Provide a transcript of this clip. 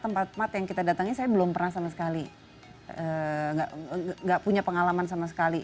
tempat yang kita datangnya saya belum pernah sama sekali enggak punya pengalaman sama sekali